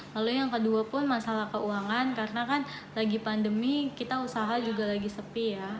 lalu yang kedua pun masalah keuangan karena kan lagi pandemi kita usaha juga lagi sepi ya